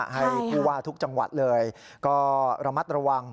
ให้ผู้ว่าทุกจังหวัดเลยก็ระมัดระวัง